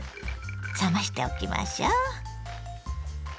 冷ましておきましょう。